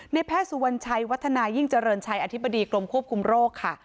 แพทย์สุวรรณชัยวัฒนายิ่งเจริญชัยอธิบดีกรมควบคุมโรคค่ะ